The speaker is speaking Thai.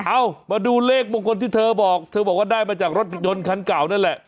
เอ้ามาดูเลขมงคลที่เธอบอกเธอบอกว่าได้มาจากรถยนต์คันเก่านั่นแหละ